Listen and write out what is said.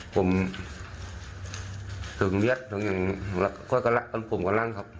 ผมถึงเย็ดตรงอย่างงี้แล้วก็กันล่ะกันปุ่มกันล่างครับ